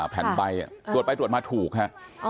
แผ่นใบตรวจไปตรวจมาถูกฮะ